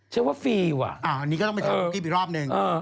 ฉันว่าฟรีหว่ะอ๋อนี่ก็ต้องไปทำกรุ๊ปกิ๊บอีกรอบหนึ่ง